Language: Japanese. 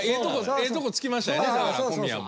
ええとこつきましたよねだから小宮も。